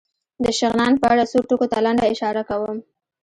د شغنان په اړه څو ټکو ته لنډه اشاره کوم.